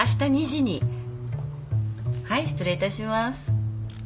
はい失礼いたします。